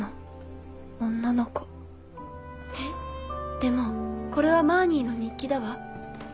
でもこれはマーニーの日記だわ。